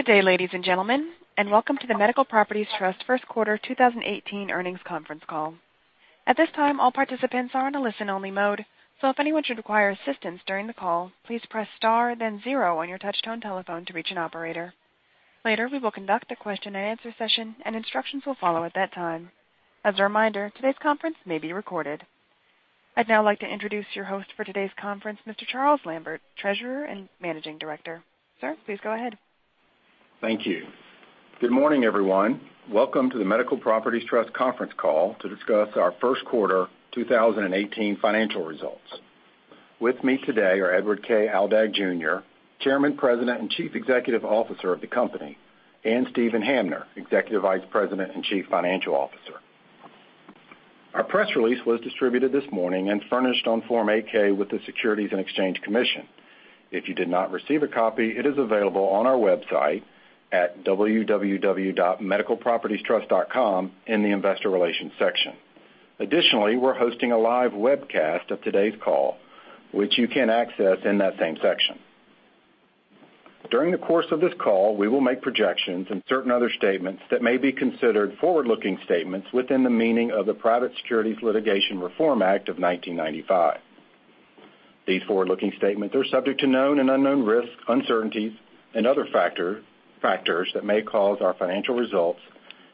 Good day, ladies and gentlemen, and welcome to the Medical Properties Trust first quarter 2018 earnings conference call. At this time, all participants are in a listen-only mode. If anyone should require assistance during the call, please press star then zero on your touchtone telephone to reach an operator. Later, we will conduct a question-and-answer session and instructions will follow at that time. As a reminder, today's conference may be recorded. I'd now like to introduce your host for today's conference, Mr. Charles Lambert, treasurer and managing director. Sir, please go ahead. Thank you. Good morning, everyone. Welcome to the Medical Properties Trust conference call to discuss our first quarter 2018 financial results. With me today are Edward K. Aldag, Jr., Chairman, President, and Chief Executive Officer of the company, and Steven Hamner, Executive Vice President and Chief Financial Officer. Our press release was distributed this morning and furnished on Form 8-K with the Securities and Exchange Commission. If you did not receive a copy, it is available on our website at www.medicalpropertiestrust.com in the investor relations section. Additionally, we're hosting a live webcast of today's call, which you can access in that same section. During the course of this call, we will make projections and certain other statements that may be considered forward-looking statements within the meaning of the Private Securities Litigation Reform Act of 1995. These forward-looking statements are subject to known and unknown risks, uncertainties and other factors that may cause our financial results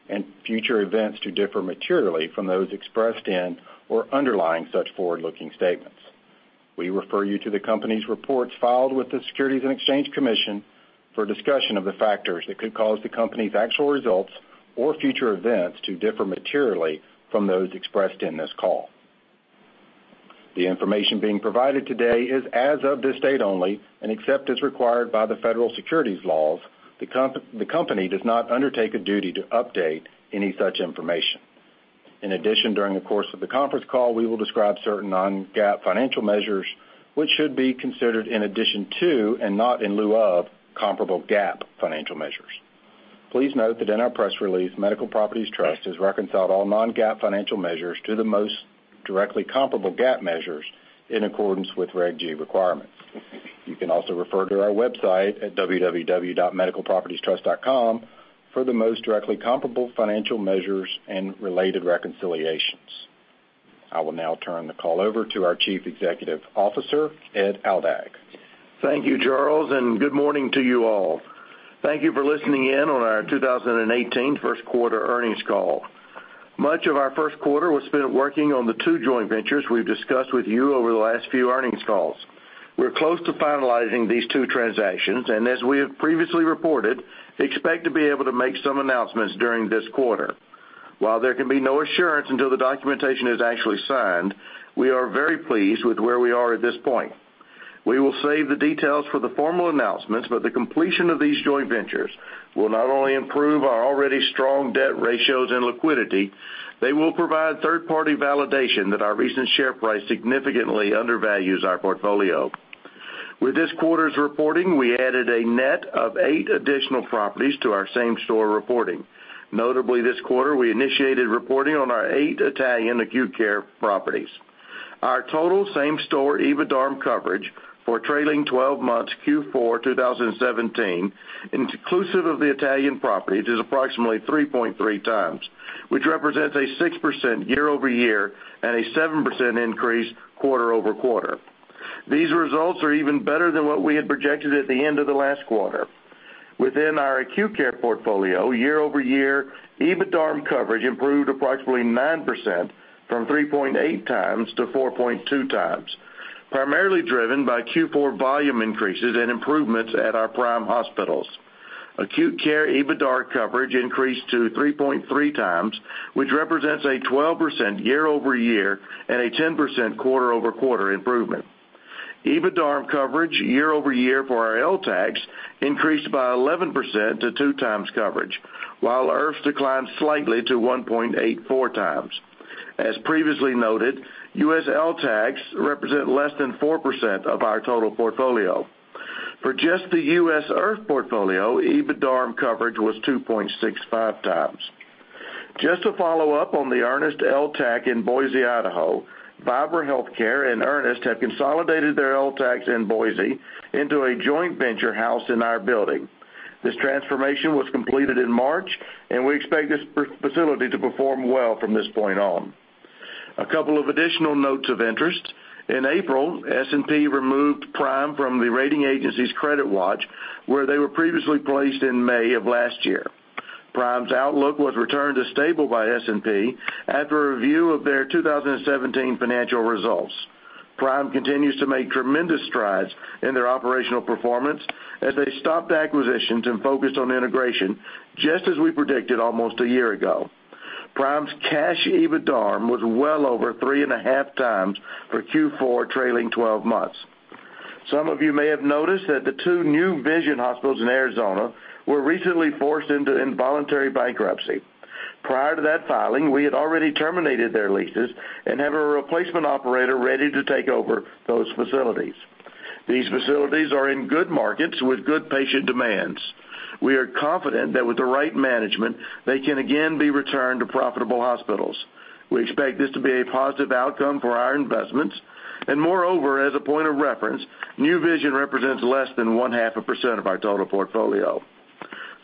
and future events to differ materially from those expressed in or underlying such forward-looking statements. We refer you to the company's reports filed with the Securities and Exchange Commission for discussion of the factors that could cause the company's actual results or future events to differ materially from those expressed in this call. The information being provided today is as of this date only, and except as required by the federal securities laws, the company does not undertake a duty to update any such information. In addition, during the course of the conference call, we will describe certain non-GAAP financial measures which should be considered in addition to and not in lieu of comparable GAAP financial measures. Please note that in our press release, Medical Properties Trust has reconciled all non-GAAP financial measures to the most directly comparable GAAP measures in accordance with Reg G requirements. You can also refer to our website at www.medicalpropertiestrust.com for the most directly comparable financial measures and related reconciliations. I will now turn the call over to our chief executive officer, Ed Aldag. Thank you, Charles. Good morning to you all. Thank you for listening in on our 2018 first quarter earnings call. Much of our first quarter was spent working on the two joint ventures we've discussed with you over the last few earnings calls. We're close to finalizing these two transactions. As we have previously reported, expect to be able to make some announcements during this quarter. While there can be no assurance until the documentation is actually signed, we are very pleased with where we are at this point. We will save the details for the formal announcements. The completion of these joint ventures will not only improve our already strong debt ratios and liquidity, they will provide third-party validation that our recent share price significantly undervalues our portfolio. With this quarter's reporting, we added a net of eight additional properties to our same-store reporting. Notably this quarter, we initiated reporting on our eight Italian acute care properties. Our total same-store EBITDARM coverage for trailing 12 months Q4 2017, inclusive of the Italian property, is approximately 3.3 times, which represents a 6% year-over-year and a 7% increase quarter-over-quarter. These results are even better than what we had projected at the end of the last quarter. Within our acute care portfolio, year-over-year, EBITDARM coverage improved approximately 9%, from 3.8 times to 4.2 times, primarily driven by Q4 volume increases and improvements at our Prime hospitals. Acute care EBITDARM coverage increased to 3.3 times, which represents a 12% year-over-year and a 10% quarter-over-quarter improvement. EBITDARM coverage year-over-year for our LTACs increased by 11% to two times coverage, while IRFs declined slightly to 1.84 times. Previously noted, U.S. LTACs represent less than 4% of our total portfolio. For just the U.S. IRF portfolio, EBITDARM coverage was 2.65 times. To follow up on the Ernest LTAC in Boise, Idaho, Vibra Healthcare and Ernest have consolidated their LTACs in Boise into a joint venture house in our building. This transformation was completed in March. We expect this facility to perform well from this point on. A couple of additional notes of interest. In April, S&P removed Prime from the rating agency's credit watch, where they were previously placed in May of last year. Prime's outlook was returned to stable by S&P after a review of their 2017 financial results. Prime continues to make tremendous strides in their operational performance as they stopped acquisitions and focused on integration, just as we predicted almost a year ago. Prime's cash EBITDARM was well over three and a half times for Q4 trailing 12 months. Some of you may have noticed that the two New Vision hospitals in Arizona were recently forced into involuntary bankruptcy. Prior to that filing, we had already terminated their leases and have a replacement operator ready to take over those facilities. These facilities are in good markets with good patient demands. We are confident that with the right management, they can again be returned to profitable hospitals. We expect this to be a positive outcome for our investments. Moreover, as a point of reference, New Vision represents less than one-half a % of our total portfolio.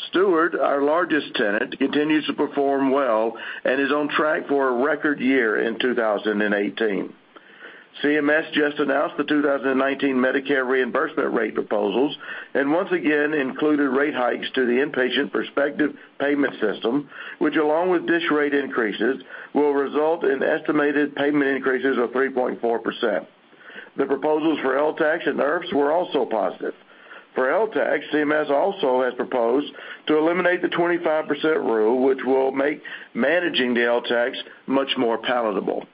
Steward, our largest tenant, continues to perform well and is on track for a record year in 2018. CMS just announced the 2019 Medicare reimbursement rate proposals and once again included rate hikes to the inpatient prospective payment system, which along with DSH rate increases, will result in estimated payment increases of 3.4%. The proposals for LTACs and IRFs were also positive. For LTAC, CMS also has proposed to eliminate the 25% Rule, which will make managing the LTACs much more palatable.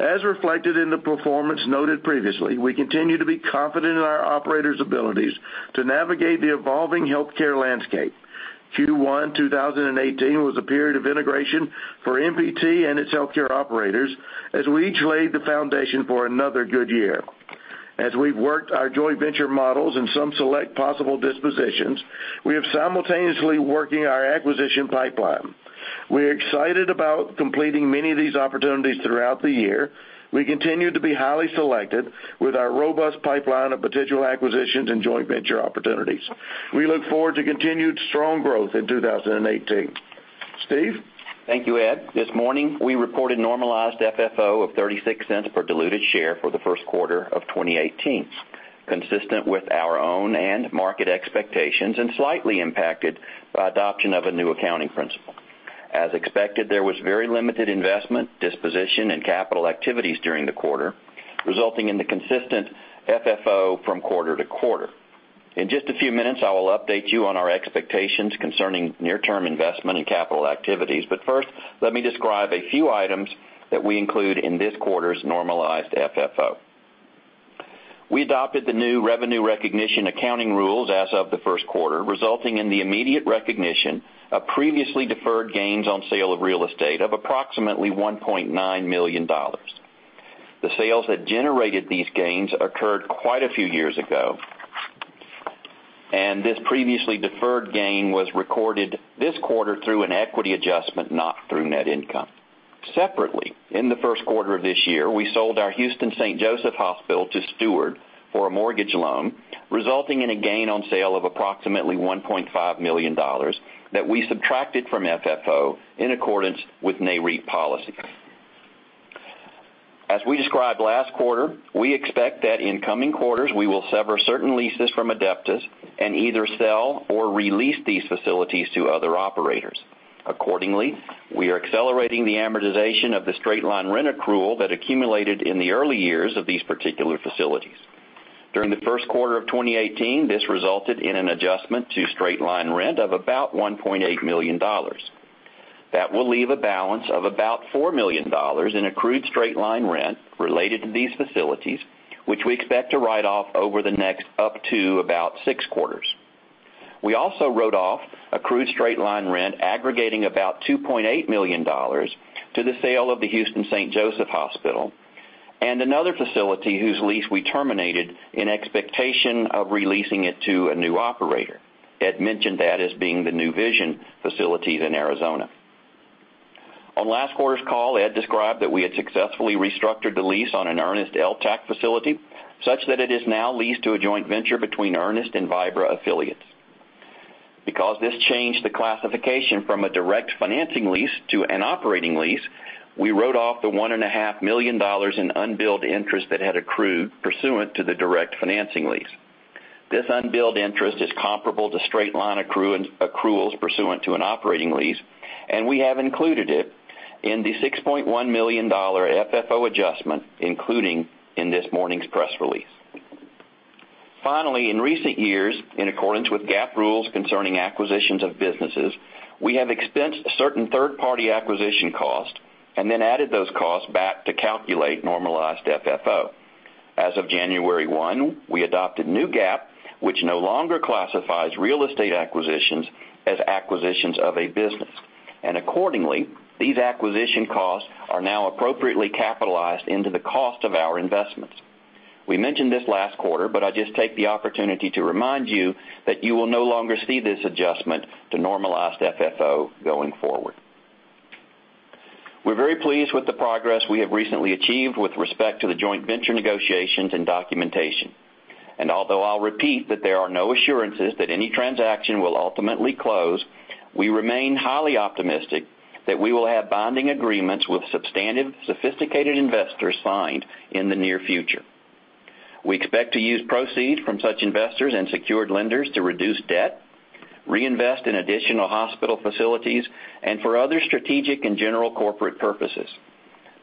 As reflected in the performance noted previously, we continue to be confident in our operators' abilities to navigate the evolving healthcare landscape. Q1 2018 was a period of integration for MPT and its healthcare operators as we each laid the foundation for another good year. As we've worked our joint venture models in some select possible dispositions, we are simultaneously working our acquisition pipeline. We're excited about completing many of these opportunities throughout the year. We continue to be highly selected with our robust pipeline of potential acquisitions and joint venture opportunities. We look forward to continued strong growth in 2018. Steve? Thank you, Ed. This morning, we reported normalized FFO of $0.36 per diluted share for the first quarter of 2018, consistent with our own and market expectations, and slightly impacted by adoption of a new accounting principle. As expected, there was very limited investment, disposition, and capital activities during the quarter, resulting in the consistent FFO from quarter to quarter. In just a few minutes, I will update you on our expectations concerning near-term investment and capital activities. First, let me describe a few items that we include in this quarter's normalized FFO. We adopted the new revenue recognition accounting rules as of the first quarter, resulting in the immediate recognition of previously deferred gains on sale of real estate of approximately $1.9 million. The sales that generated these gains occurred quite a few years ago. This previously deferred gain was recorded this quarter through an equity adjustment, not through net income. Separately, in the first quarter of this year, we sold our Houston St. Joseph Hospital to Steward for a mortgage loan, resulting in a gain on sale of approximately $1.5 million that we subtracted from FFO in accordance with Nareit policy. As we described last quarter, we expect that in coming quarters, we will sever certain leases from Adeptus and either sell or re-lease these facilities to other operators. Accordingly, we are accelerating the amortization of the straight-line rent accrual that accumulated in the early years of these particular facilities. During the first quarter of 2018, this resulted in an adjustment to straight-line rent of about $1.8 million. That will leave a balance of about $4 million in accrued straight-line rent related to these facilities, which we expect to write off over the next up to about six quarters. We also wrote off accrued straight-line rent aggregating about $2.8 million to the sale of the Houston St. Joseph Hospital and another facility whose lease we terminated in expectation of releasing it to a new operator. Ed mentioned that as being the New Vision facilities in Arizona. On last quarter's call, Ed described that we had successfully restructured the lease on an Ernest LTAC facility, such that it is now leased to a joint venture between Ernest and Vibra affiliates. Because this changed the classification from a direct financing lease to an operating lease, we wrote off the $1.5 million in unbilled interest that had accrued pursuant to the direct financing lease. This unbilled interest is comparable to straight-line accruals pursuant to an operating lease, we have included it in the $6.1 million FFO adjustment, including in this morning's press release. Finally, in recent years, in accordance with GAAP rules concerning acquisitions of businesses, we have expensed certain third-party acquisition costs and then added those costs back to calculate normalized FFO. As of January 1, we adopted new GAAP, which no longer classifies real estate acquisitions as acquisitions of a business. Accordingly, these acquisition costs are now appropriately capitalized into the cost of our investments. We mentioned this last quarter, but I just take the opportunity to remind you that you will no longer see this adjustment to normalized FFO going forward. We're very pleased with the progress we have recently achieved with respect to the joint venture negotiations and documentation. Although I'll repeat that there are no assurances that any transaction will ultimately close, we remain highly optimistic that we will have binding agreements with substantive, sophisticated investors signed in the near future. We expect to use proceeds from such investors and secured lenders to reduce debt, reinvest in additional hospital facilities, and for other strategic and general corporate purposes.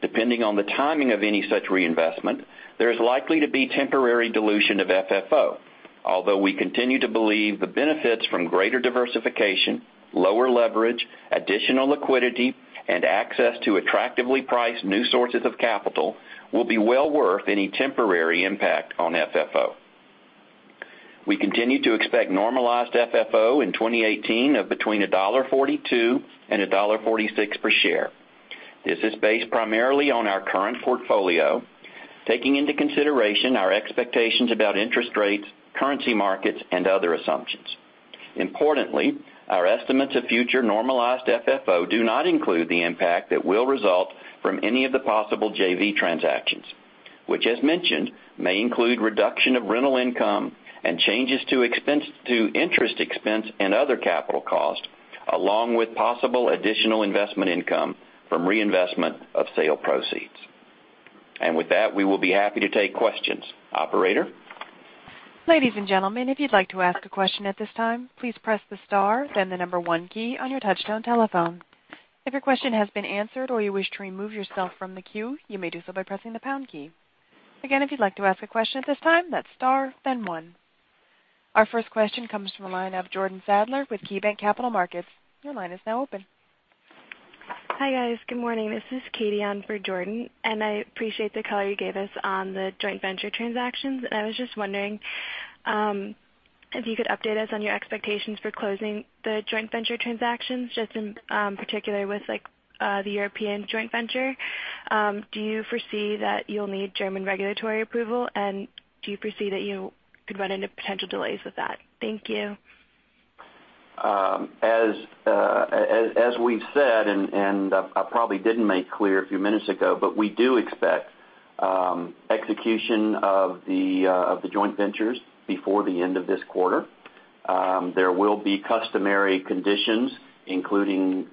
Depending on the timing of any such reinvestment, there is likely to be temporary dilution of FFO. Although we continue to believe the benefits from greater diversification, lower leverage, additional liquidity, and access to attractively priced new sources of capital will be well worth any temporary impact on FFO. We continue to expect normalized FFO in 2018 of between $1.42 and $1.46 per share. This is based primarily on our current portfolio, taking into consideration our expectations about interest rates, currency markets, and other assumptions. Importantly, our estimates of future normalized FFO do not include the impact that will result from any of the possible JV transactions, which as mentioned, may include reduction of rental income and changes to interest expense and other capital cost, along with possible additional investment income from reinvestment of sale proceeds. With that, we will be happy to take questions. Operator? Ladies and gentlemen, if you'd like to ask a question at this time, please press the star, then the number 1 key on your touchtone telephone. If your question has been answered or you wish to remove yourself from the queue, you may do so by pressing the pound key. Again, if you'd like to ask a question at this time, that's star then 1. Our first question comes from the line of Jordan Sadler with KeyBanc Capital Markets. Your line is now open. Hi, guys. Good morning. This is Katie on for Jordan, I appreciate the color you gave us on the joint venture transactions. I was just wondering if you could update us on your expectations for closing the joint venture transactions, just in particular with the European joint venture. Do you foresee that you'll need German regulatory approval, do you foresee that you could run into potential delays with that? Thank you. As we've said, and I probably didn't make clear a few minutes ago, but we do expect execution of the joint ventures before the end of this quarter. There will be customary conditions, including,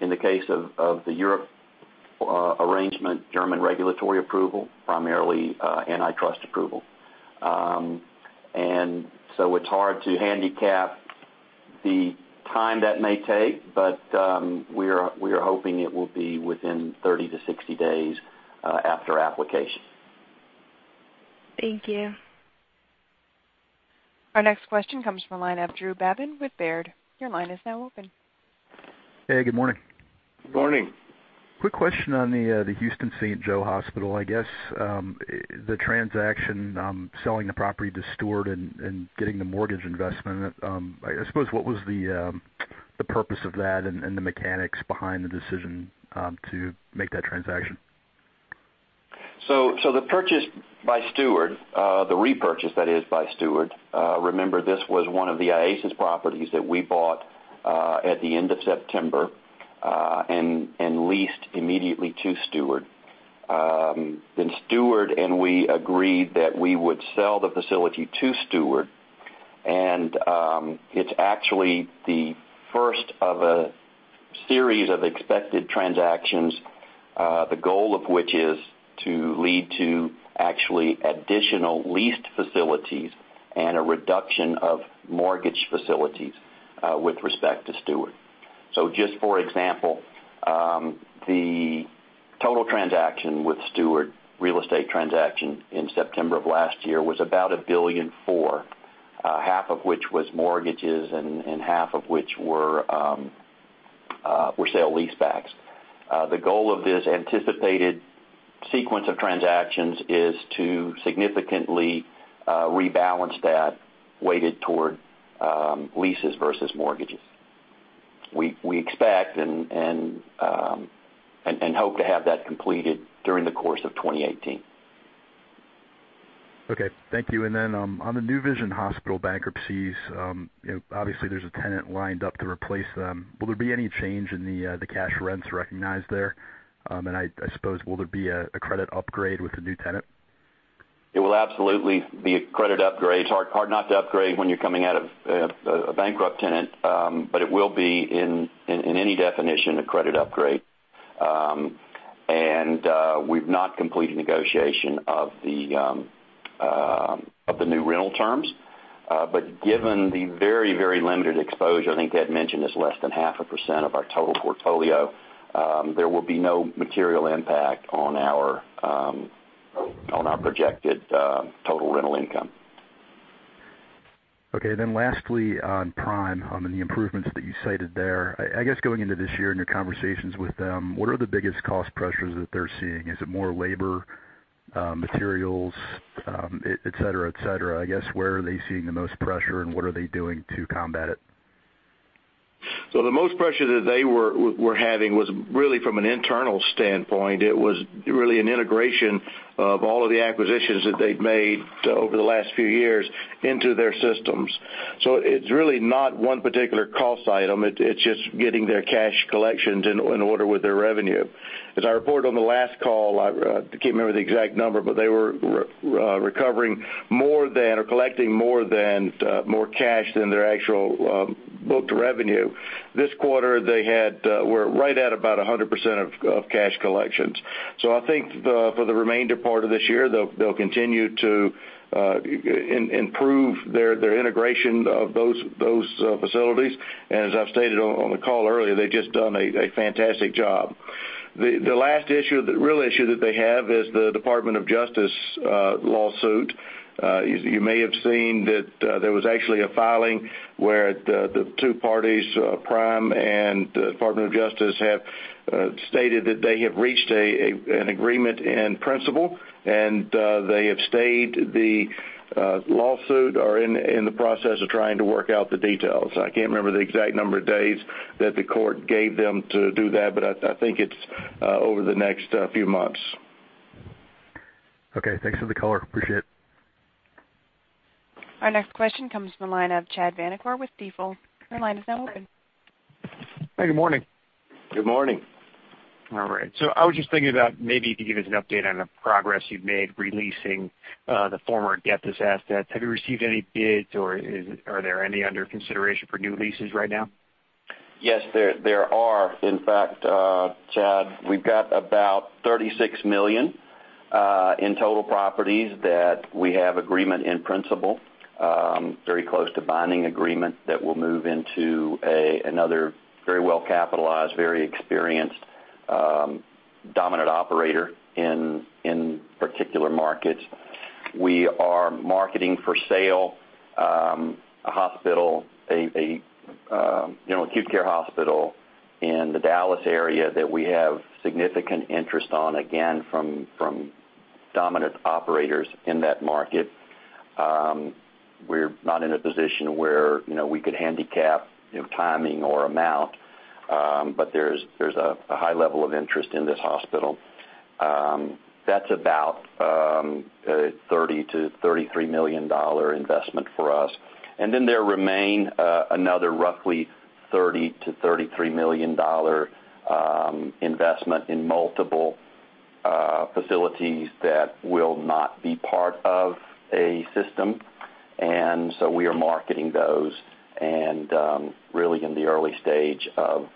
in the case of the Europe arrangement, German regulatory approval, primarily antitrust approval. It's hard to handicap the time that may take, but we are hoping it will be within 30-60 days after application. Thank you. Our next question comes from the line of Drew Babin with Baird. Your line is now open. Hey, good morning. Good morning. Quick question on the Houston St. Joseph Hospital. I guess, the transaction, selling the property to Steward and getting the mortgage investment. I suppose, what was the purpose of that and the mechanics behind the decision to make that transaction? The purchase by Steward, the repurchase, that is, by Steward. Remember, this was one of the IASIS properties that we bought at the end of September, and leased immediately to Steward. Steward and we agreed that we would sell the facility to Steward, and it's actually the first of a series of expected transactions, the goal of which is to lead to actually additional leased facilities and a reduction of mortgage facilities with respect to Steward. Just for example, the total transaction with Steward, real estate transaction in September of last year was about $1.4 billion, half of which was mortgages and half of which were sale-leasebacks. The goal of this anticipated sequence of transactions is to significantly rebalance that weighted toward leases versus mortgages. We expect and hope to have that completed during the course of 2018. Thank you. On the New Vision hospital bankruptcies, obviously there's a tenant lined up to replace them. Will there be any change in the cash rents recognized there? I suppose, will there be a credit upgrade with the new tenant? It will absolutely be a credit upgrade. It's hard not to upgrade when you're coming out of a bankrupt tenant, but it will be, in any definition, a credit upgrade. We've not completed negotiation of the new rental terms. Given the very limited exposure, I think Ed mentioned it's less than 0.5% of our total portfolio, there will be no material impact on our projected total rental income. Okay, lastly on Prime, on the improvements that you cited there. I guess, going into this year, in your conversations with them, what are the biggest cost pressures that they're seeing? Is it more labor, materials, et cetera? I guess, where are they seeing the most pressure, and what are they doing to combat it? The most pressure that they were having was really from an internal standpoint. It was really an integration of all of the acquisitions that they've made over the last few years into their systems. It's really not one particular cost item. It's just getting their cash collections in order with their revenue. As I reported on the last call, I can't remember the exact number, but they were recovering more than, or collecting more than more cash than their actual booked revenue. This quarter, they were right at about 100% of cash collections. I think for the remainder part of this year, they'll continue to improve their integration of those facilities. As I've stated on the call earlier, they've just done a fantastic job. The last real issue that they have is the Department of Justice lawsuit. You may have seen that there was actually a filing where the two parties, Prime and the Department of Justice, have stated that they have reached an agreement in principle. They have stayed the lawsuit or are in the process of trying to work out the details. I can't remember the exact number of days that the court gave them to do that, but I think it's over the next few months. Okay, thanks for the color. Appreciate it. Our next question comes from the line of Chad Vanacore with Stifel. Your line is now open. Hey, good morning. Good morning. All right. I was just thinking about maybe if you give us an update on the progress you've made releasing the former Adeptus assets. Have you received any bids, or are there any under consideration for new leases right now? Yes, there are. In fact, Chad, we've got about $36 million in total properties that we have agreement in principle, very close to binding agreement that will move into another very well-capitalized, very experienced dominant operator in particular markets. We are marketing for sale a hospital, an acute care hospital in the Dallas area that we have significant interest on, again, from dominant operators in that market. We're not in a position where we could handicap timing or amount, but there's a high level of interest in this hospital. That's about a $30 million-$33 million investment for us. There remain another roughly $30 million-$33 million investment in multiple facilities that will not be part of a system. We are marketing those and really in the early stage of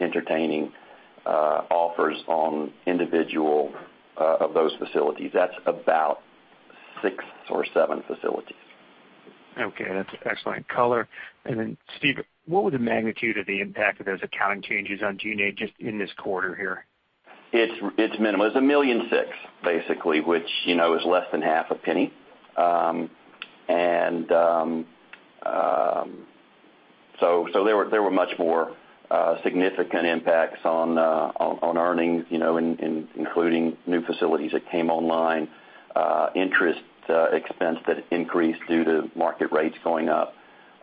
entertaining offers on individual of those facilities. That's about six or seven facilities. Okay, that's excellent color. Steve, what would the magnitude of the impact of those accounting changes on NAV just in this quarter here? It's minimal. It's $1.6 million, basically, which is less than $0.005. There were much more significant impacts on earnings, including new facilities that came online, interest expense that increased due to market rates going up.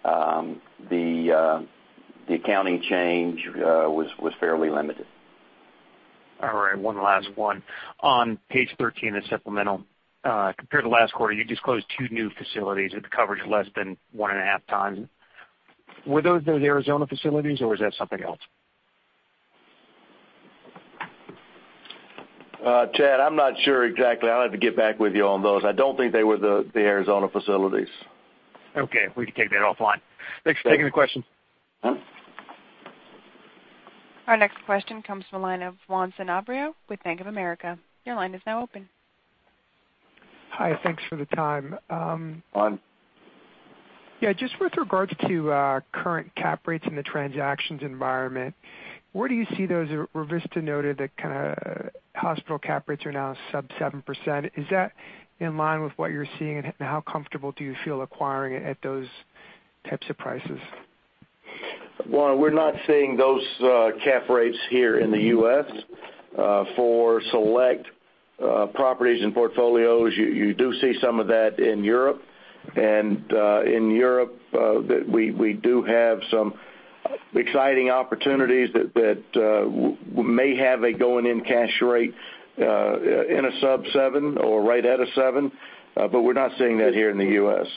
The accounting change was fairly limited. All right, one last one. On page 13 in the supplemental, compared to last quarter, you disclosed two new facilities with coverage less than one and a half times. Were those the Arizona facilities or was that something else? Chad, I'm not sure exactly. I'll have to get back with you on those. I don't think they were the Arizona facilities. Okay, we can take that offline. Thanks for taking the question. Our next question comes from the line of Juan Sanabria with Bank of America. Your line is now open. Hi, thanks for the time. Yeah, just with regards to current cap rates in the transactions environment, where do you see those? Revista noted that kind of hospital cap rates are now sub 7%. Is that in line with what you're seeing, and how comfortable do you feel acquiring it at those types of prices? Juan, we're not seeing those cap rates here in the U.S. For select properties and portfolios, you do see some of that in Europe. In Europe, we do have some exciting opportunities that may have a going-in cash rate in a sub seven or right at a seven. We're not seeing that here in the U.S.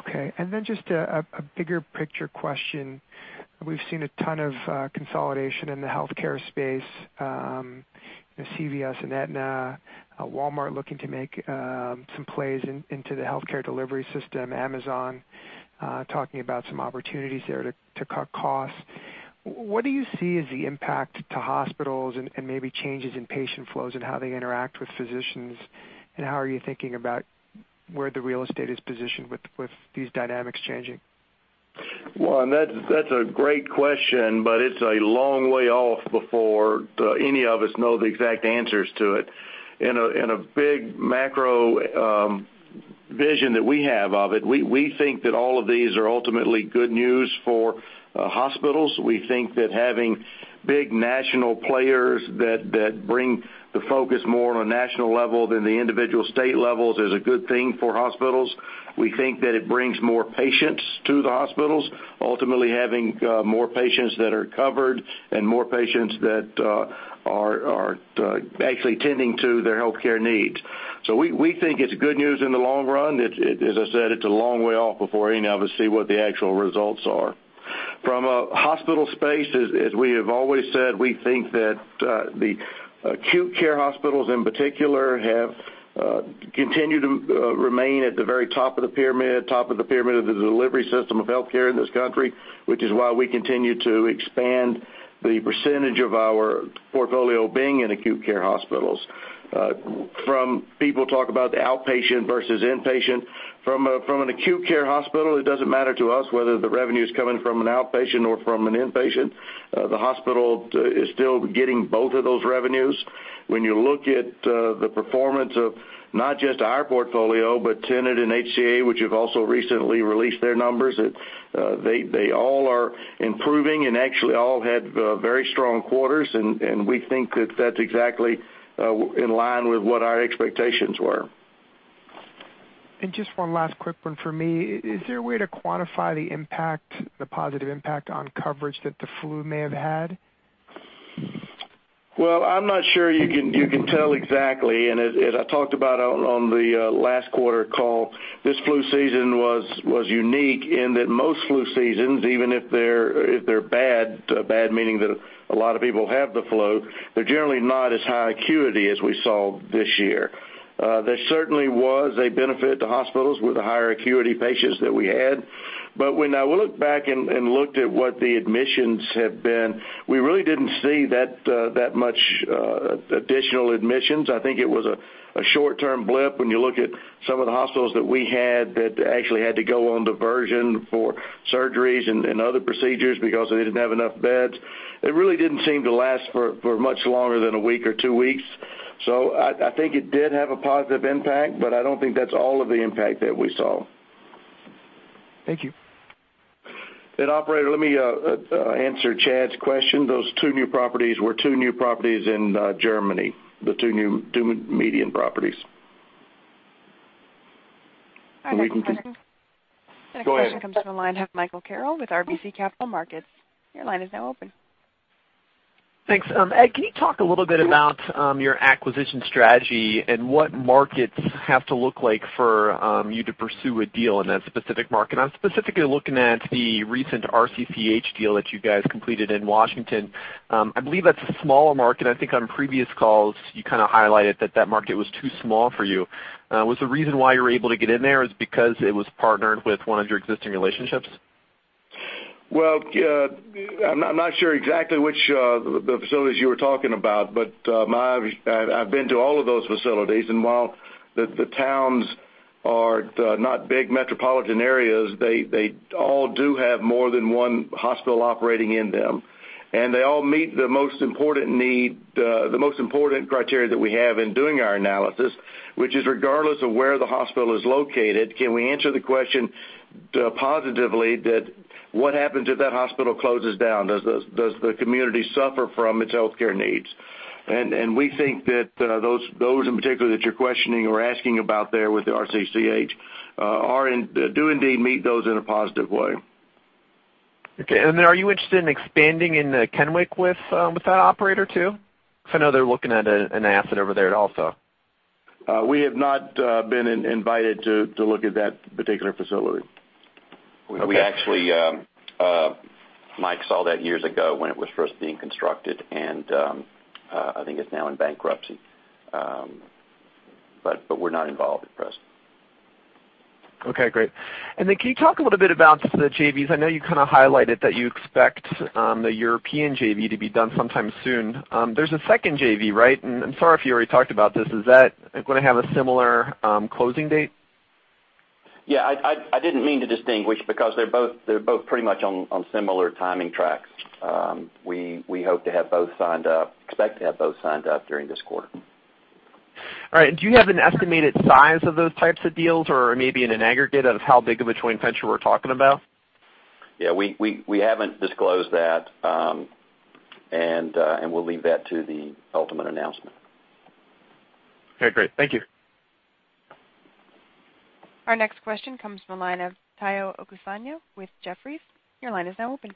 Okay. Just a bigger picture question. We've seen a ton of consolidation in the healthcare space, CVS and Aetna, Walmart looking to make some plays into the healthcare delivery system, Amazon talking about some opportunities there to cut costs. What do you see as the impact to hospitals and maybe changes in patient flows and how they interact with physicians? How are you thinking about where the real estate is positioned with these dynamics changing? Juan, it's a long way off before any of us know the exact answers to it. In a big macro vision that we have of it, we think that all of these are ultimately good news for hospitals. We think that having big national players that bring the focus more on a national level than the individual state levels is a good thing for hospitals. We think that it brings more patients to the hospitals, ultimately having more patients that are covered and more patients that are actually tending to their healthcare needs. We think it's good news in the long run. As I said, it's a long way off before any of us see what the actual results are. From a hospital space, as we have always said, we think that the acute care hospitals, in particular, have continued to remain at the very top of the pyramid of the delivery system of healthcare in this country, which is why we continue to expand the percentage of our portfolio being in acute care hospitals. From people talk about the outpatient versus inpatient. From an acute care hospital, it doesn't matter to us whether the revenue is coming from an outpatient or from an inpatient. The hospital is still getting both of those revenues. When you look at the performance of not just our portfolio, but Tenet and HCA, which have also recently released their numbers, they all are improving and actually all had very strong quarters, and we think that that's exactly in line with what our expectations were. Just one last quick one for me. Is there a way to quantify the positive impact on coverage that the flu may have had? Well, I'm not sure you can tell exactly. As I talked about on the last quarter call, this flu season was unique in that most flu seasons, even if they're bad meaning that a lot of people have the flu, they're generally not as high acuity as we saw this year. There certainly was a benefit to hospitals with the higher acuity patients that we had. When I looked back and looked at what the admissions have been, we really didn't see that much additional admissions. I think it was a short-term blip when you look at some of the hospitals that we had that actually had to go on diversion for surgeries and other procedures because they didn't have enough beds. It really didn't seem to last for much longer than a week or two weeks. I think it did have a positive impact, I don't think that's all of the impact that we saw. Thank you. Operator, let me answer Chad's question. Those two new properties were two new properties in Germany, the two new MEDIAN properties. Our next- Go ahead. Next question comes from the line of Michael Carroll with RBC Capital Markets. Your line is now open. Thanks. Ed, can you talk a little bit about your acquisition strategy and what markets have to look like for you to pursue a deal in that specific market? I'm specifically looking at the recent RCCH deal that you guys completed in Washington. I believe that's a smaller market. I think on previous calls you kind of highlighted that market was too small for you. Was the reason why you were able to get in there is because it was partnered with one of your existing relationships? I'm not sure exactly which of the facilities you were talking about, but I've been to all of those facilities, and while the towns are not big metropolitan areas, they all do have more than one hospital operating in them. They all meet the most important need, the most important criteria that we have in doing our analysis, which is regardless of where the hospital is located, can we answer the question positively that what happens if that hospital closes down? Does the community suffer from its healthcare needs? We think that those in particular that you're questioning or asking about there with the RCCH do indeed meet those in a positive way. Okay. Then are you interested in expanding in Kennewick with that operator, too? I know they're looking at an asset over there also. We have not been invited to look at that particular facility. Okay. Mike saw that years ago when it was first being constructed, and I think it's now in bankruptcy. We're not involved at present. Okay, great. Then can you talk a little bit about the JVs? I know you kind of highlighted that you expect the European JV to be done sometime soon. There's a second JV, right? I'm sorry if you already talked about this. Is that going to have a similar closing date? Yeah, I didn't mean to distinguish because they're both pretty much on similar timing tracks. We hope to have both signed up, expect to have both signed up during this quarter. All right. Do you have an estimated size of those types of deals or maybe in an aggregate of how big of a joint venture we're talking about? Yeah, we haven't disclosed that. We'll leave that to the ultimate announcement. Okay, great. Thank you. Our next question comes from the line of Omotayo Okusanya with Jefferies. Your line is now open.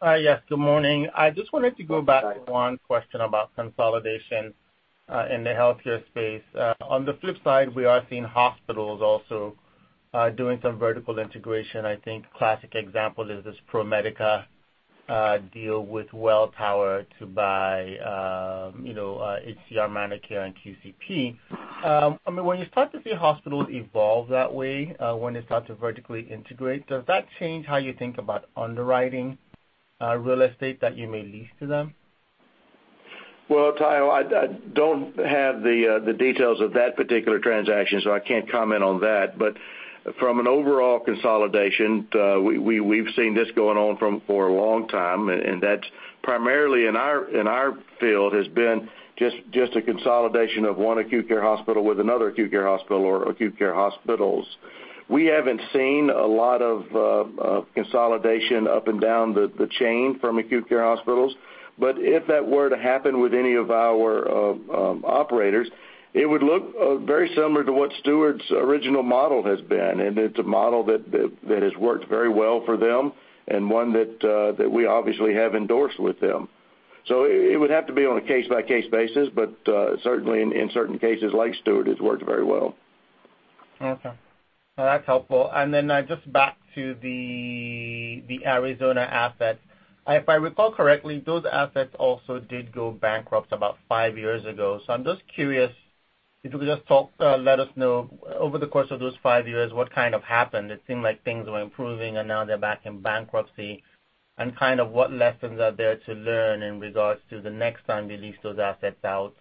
Hi, yes, good morning. I just wanted to go back to one question about consolidation in the healthcare space. On the flip side, we are seeing hospitals also doing some vertical integration. I think classic example is this ProMedica deal with Welltower to buy HCR ManorCare and QCP. When you start to see hospitals evolve that way, when they start to vertically integrate, does that change how you think about underwriting real estate that you may lease to them? Tayo, I don't have the details of that particular transaction, so I can't comment on that. From an overall consolidation, we've seen this going on for a long time, and that primarily in our field has been just a consolidation of one acute care hospital with another acute care hospital or acute care hospitals. We haven't seen a lot of consolidation up and down the chain from acute care hospitals. If that were to happen with any of our operators, it would look very similar to what Steward's original model has been. It's a model that has worked very well for them and one that we obviously have endorsed with them. It would have to be on a case-by-case basis, but certainly in certain cases like Steward, it's worked very well. Okay. That's helpful. Just back to the Arizona asset. If I recall correctly, those assets also did go bankrupt about five years ago. I'm just curious if you could just let us know over the course of those five years, what kind of happened? It seemed like things were improving and now they're back in bankruptcy. Kind of what lessons are there to learn in regards to the next time we lease those assets out,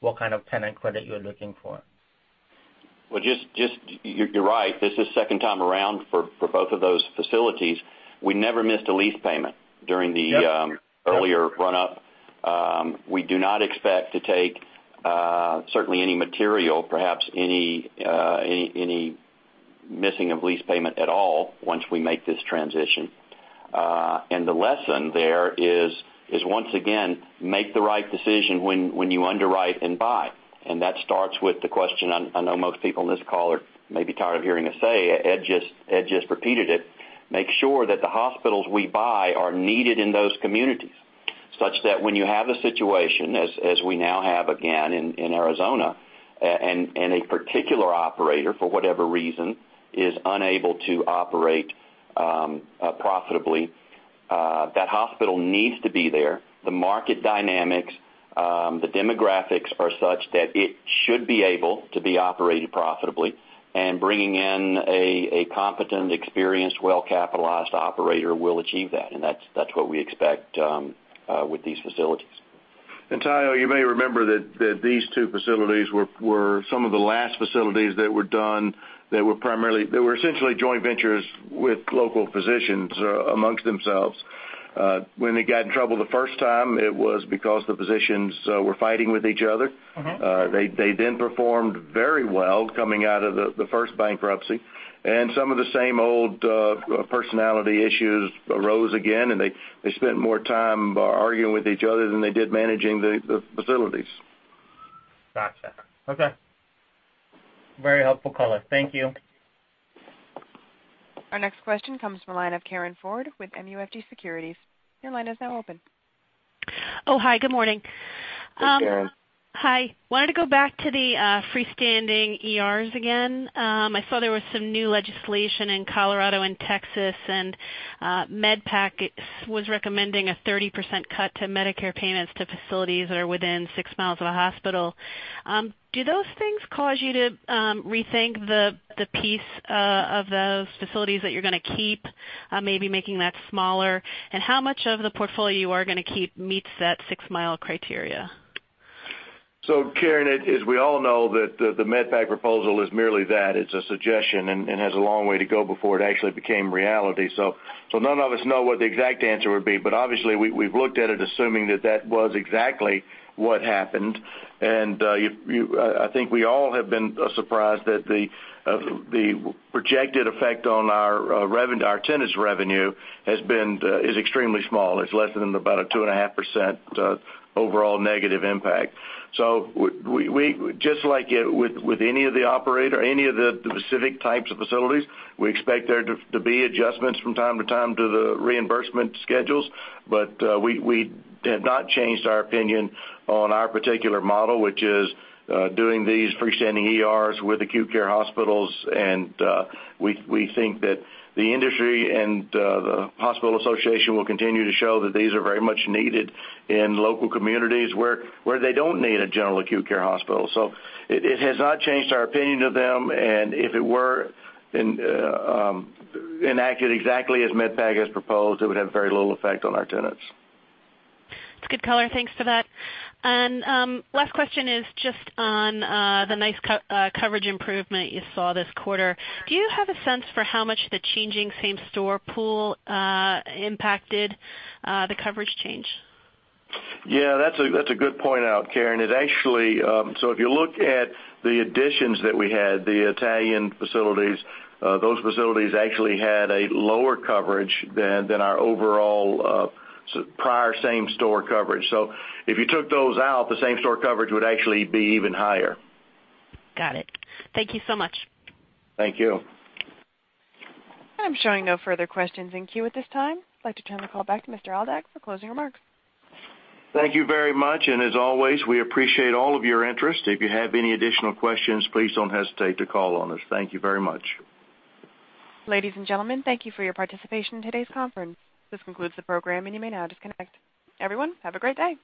what kind of tenant credit you're looking for? You're right. This is second time around for both of those facilities. We never missed a lease payment during the earlier run-up. We do not expect to take certainly any material, perhaps any missing a lease payment at all once we make this transition. The lesson there is, once again, make the right decision when you underwrite and buy. That starts with the question I know most people on this call are maybe tired of hearing us say, Ed just repeated it. Make sure that the hospitals we buy are needed in those communities, such that when you have a situation as we now have again in Arizona, and a particular operator, for whatever reason, is unable to operate profitably, that hospital needs to be there. The market dynamics, the demographics are such that it should be able to be operated profitably, bringing in a competent, experienced, well-capitalized operator will achieve that. That's what we expect with these facilities. Tayo, you may remember that these two facilities were some of the last facilities that were done that were essentially joint ventures with local physicians amongst themselves. When they got in trouble the first time, it was because the physicians were fighting with each other. They performed very well coming out of the first bankruptcy. Some of the same old personality issues arose again, they spent more time arguing with each other than they did managing the facilities. Gotcha. Okay. Very helpful color. Thank you. Our next question comes from the line of Karin Ford with MUFG Securities. Your line is now open. Oh, hi. Good morning. Hi, Karen. Hi. Wanted to go back to the freestanding ERs again. I saw there was some new legislation in Colorado and Texas. MedPAC was recommending a 30% cut to Medicare payments to facilities that are within six miles of a hospital. Do those things cause you to rethink the piece of those facilities that you're going to keep, maybe making that smaller? How much of the portfolio you are going to keep meets that six-mile criteria? Karen, as we all know that the MedPAC proposal is merely that. It's a suggestion and has a long way to go before it actually became reality. None of us know what the exact answer would be, but obviously we've looked at it assuming that that was exactly what happened. I think we all have been surprised that the projected effect on our tenant's revenue is extremely small. It's less than about a 2.5% overall negative impact. Just like with any of the specific types of facilities, we expect there to be adjustments from time to time to the reimbursement schedules. We have not changed our opinion on our particular model, which is doing these freestanding ERs with acute care hospitals. We think that the industry and the hospital association will continue to show that these are very much needed in local communities where they don't need a general acute care hospital. It has not changed our opinion of them, and if it were enacted exactly as MedPAC has proposed, it would have very little effect on our tenants. It's a good color. Thanks for that. Last question is just on the nice coverage improvement you saw this quarter. Do you have a sense for how much the changing same-store pool impacted the coverage change? Yeah, that's a good point out, Karen. If you look at the additions that we had, the Italian facilities, those facilities actually had a lower coverage than our overall prior same-store coverage. If you took those out, the same-store coverage would actually be even higher. Got it. Thank you so much. Thank you. I'm showing no further questions in queue at this time. I'd like to turn the call back to Mr. Aldag for closing remarks. Thank you very much. As always, we appreciate all of your interest. If you have any additional questions, please don't hesitate to call on us. Thank you very much. Ladies and gentlemen, thank you for your participation in today's conference. This concludes the program. You may now disconnect. Everyone, have a great day.